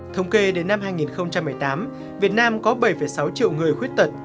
thống kê đến năm hai nghìn một mươi tám việt nam có bảy sáu triệu người khuyết tật